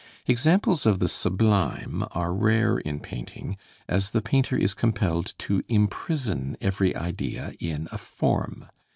Examples of the sublime are rare in painting, as the painter is compelled to imprison every idea in a form.